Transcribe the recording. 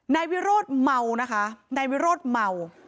นายวิโรธเมานะคะนายวิโรธเมา